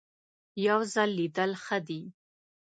یو ځل لیدل ښه دي .